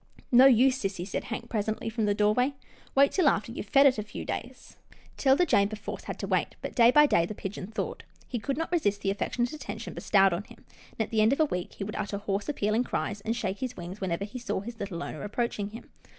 " No use, sissy," said Hank presently from the doorway, " wait till after you've fed it a few days." 'Tilda Jane perforce had to wait, but day by day the pigeon thawed. He could not resist the affec tionate attention bestowed on him, and, at the end of a week, he would utter hoarse, appealing cries, and shake his wings whenever he saw his little owner approaching him.